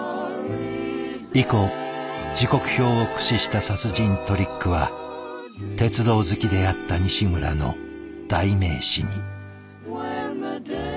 以降時刻表を駆使した殺人トリックは鉄道好きであった西村の代名詞に。